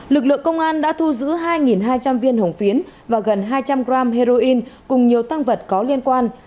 lực lượng công an đã thu giữ hai hai trăm linh viên hồng phiến và gần hai trăm linh g heroin cùng nhiều tăng vật có liên quan